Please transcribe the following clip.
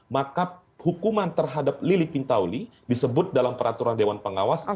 maka hukuman terhadap lili pintauli disebut dalam peraturan dewan pengawas